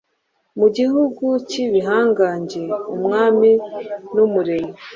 Mu gihugu cyibihangange Umwami nUmuremyi